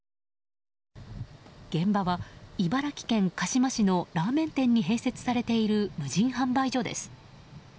現場は茨城県鹿嶋市のラーメン店に併設されている無人販売所です。